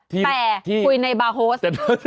แต่คุยในบาร์โฮส